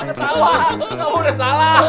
ketawa kamu udah salah